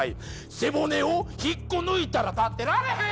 「背骨を引っこ抜いたら立ってられへーん！」。